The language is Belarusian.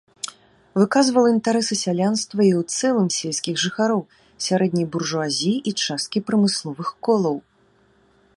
Выказвала інтарэсы сялянства і ў цэлым сельскіх жыхароў, сярэдняй буржуазіі і часткі прамысловых колаў.